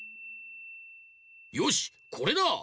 よしこれだ！